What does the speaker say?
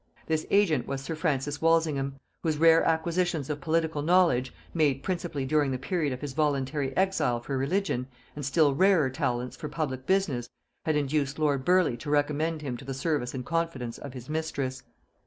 This agent was sir Francis Walsingham, whose rare acquisitions of political knowledge, made principally during the period of his voluntary exile for religion, and still rarer talents for public business, had induced lord Burleigh to recommend him to the service and confidence of his mistress.